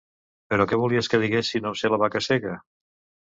Però què volies que digués, si no em sé La vaca cega?